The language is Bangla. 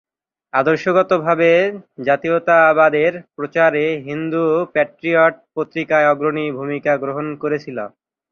আদর্শগত ভাবে জাতীয়তাবাদের প্রচারে হিন্দু প্যাট্রিয়ট পত্রিকা অগ্রণী ভূমিকা গ্রহণ করেছিল।